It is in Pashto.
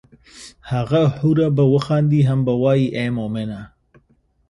هغه حوره به وخاندي هم به وائي ای مومنه!